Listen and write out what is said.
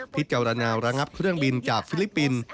ระงับเครื่องบินจากฟิลิปปินส์